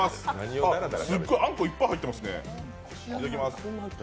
あんこいっぱい入ってますね。